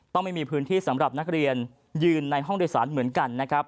ไม่มีพื้นที่สำหรับนักเรียนยืนในห้องโดยสารเหมือนกันนะครับ